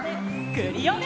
クリオネ！